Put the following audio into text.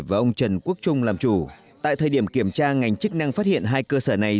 và ông trần quốc trung làm chủ tại thời điểm kiểm tra ngành chức năng phát hiện hai cơ sở này